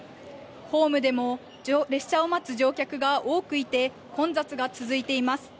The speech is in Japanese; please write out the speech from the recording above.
ホームでも列車を待つ乗客が多くいて、混雑が続いています。